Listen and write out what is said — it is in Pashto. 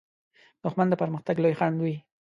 دښمن د پرمختګ لوی خنډ وي